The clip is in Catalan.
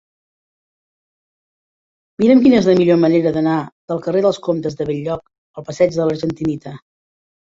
Mira'm quina és la millor manera d'anar del carrer dels Comtes de Bell-lloc al passeig de l'Argentinita.